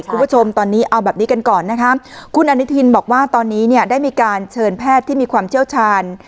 คุณผู้ชมตอนนี้เอาแบบนี้กันก่อนนะคะคุณอนุทินบอกว่าตอนนี้เนี่ยได้มีการเชิญแพทย์ที่มีความเชี่ยวชาญ